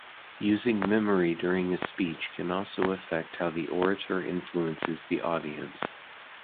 Using memory during a speech can also affect how the orator influences the audience.